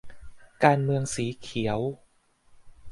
การเมืองสีเขียว'